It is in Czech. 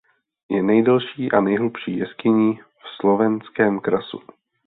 Je nejdelší a nejhlubší jeskyní v Slovenském krasu.